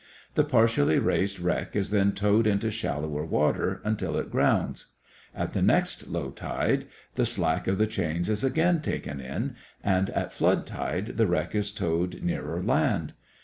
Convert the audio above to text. The partially raised wreck is then towed into shallower water, until it grounds. At the next low tide, the slack of the chains is again taken in, and at flood tide the wreck is towed nearer land.